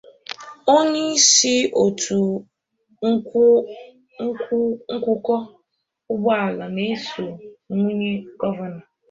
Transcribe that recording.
onyeisi òtù nkwụkọ ụgbọala na-eso nwunye gọvanọ